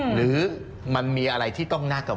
หรือมันมีอะไรที่ต้องน่ากังวล